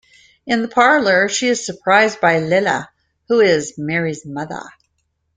In the parlor she is surprised by Lila, who is Mary's mother.